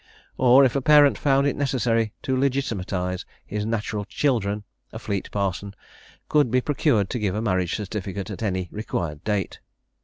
Or if a parent found it necessary to legitimatise his natural children, a Fleet parson could be procured to give a marriage certificate at any required date.